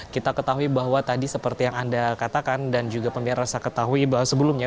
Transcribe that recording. kita ketahui bahwa tadi seperti yang anda katakan dan juga pemirsa ketahui bahwa sebelumnya